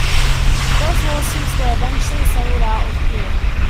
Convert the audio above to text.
Both lawsuits were eventually settled out-of-court.